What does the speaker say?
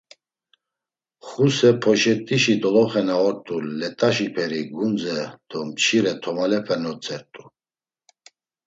Xuse poşet̆işi doloxe na ort̆u let̆aşiperi gundze do mçire tomalepe notzert̆u.